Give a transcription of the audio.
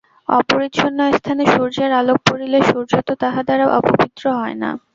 অপরিচ্ছন্ন স্থানে সূর্যের আলোক পড়িলে সূর্য তো তাহা দ্বারা অপবিত্র হয় না।